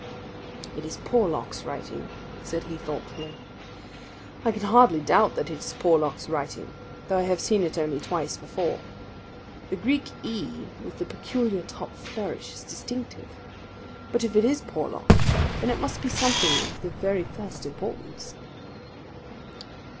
"It is Porlock's writing," said he thoughtfully. "I can hardly doubt that it is Porlock's writing, though I have seen it only twice before. The Greek e with the peculiar top flourish is distinctive. But if it is Porlock, then it must be something of the very first importance."